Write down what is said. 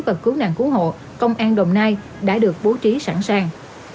và cứu nạn cứu hộ công an đồng nai đã được bố trí sẵn sàng